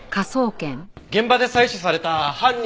現場で採取された犯人